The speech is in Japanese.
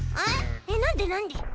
えっなんでなんで？